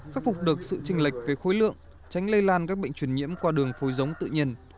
khắc phục được sự trình lệch về khối lượng tránh lây lan các bệnh truyền nhiễm qua đường phối giống tự nhiên